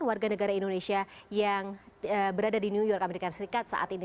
warga negara indonesia yang berada di new york amerika serikat saat ini